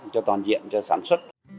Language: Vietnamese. cho toàn diện cho sản xuất